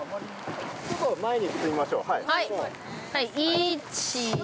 ◆前に進みましょう。